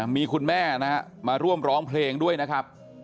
มีคุณแม่นะฮะมาร่วมร้องเพลงด้วยนะครับ